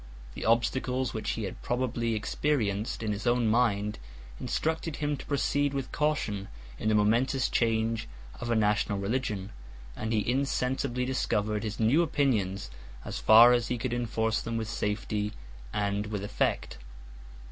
The obstacles which he had probably experienced in his own mind, instructed him to proceed with caution in the momentous change of a national religion; and he insensibly discovered his new opinions, as far as he could enforce them with safety and with effect.